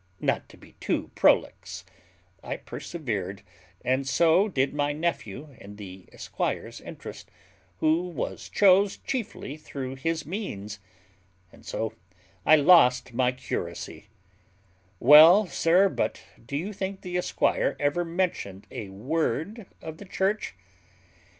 Not to be too prolix; I persevered, and so did my nephew, in the esquire's interest, who was chose chiefly through his means; and so I lost my curacy, Well, sir, but do you think the esquire ever mentioned a word of the church?